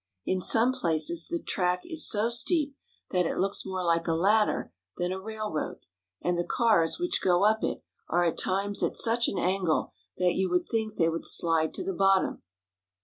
In some places the track is so steep that it looks more like a ladder than a railroad, and the cars which go up it are at times at such an angle that you would think they would slide to the bottom.